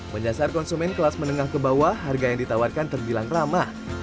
menyasar konsumen kelas menengah ke bawah harga yang ditawarkan terbilang ramah